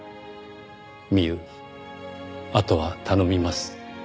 「ミウあとは頼みます」